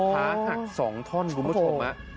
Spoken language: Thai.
ขาหัก๒ท่อนคุณผู้ชม